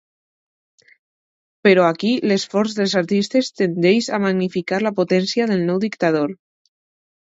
Però aquí, l'esforç dels artistes tendeix a magnificar la potència del nou dictador.